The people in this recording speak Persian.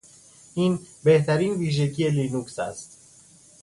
این بهترین ویژگی لینوکس است.